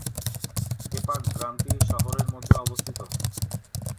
কেপাক গ্রামটি শহরের মধ্যে অবস্থিত।